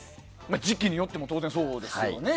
時期によっても当然そうですよね。